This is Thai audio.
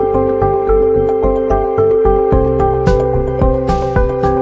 ผ่านหรือรหลงงานเชื่อดทนไม่ได้